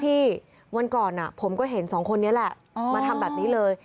วันก่อนผมก็เห็นสองคนนี้แหละมาทำแบบนี้เลย